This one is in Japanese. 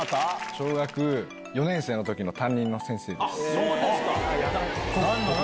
小学４年生のときの担任の先生です。